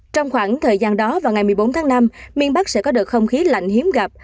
trong khoảng thời gian đó vào ngày một mươi bốn tháng năm miền bắc sẽ có đợt không khí lạnh hiếm gặp